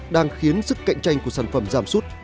đang khiến sức cạnh tranh của sản phẩm giảm sút